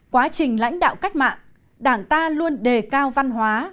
quá trình lãnh đạo cách mạng đảng ta luôn đề cao văn hóa